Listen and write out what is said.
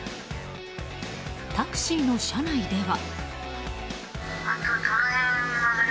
タクシーの車内では。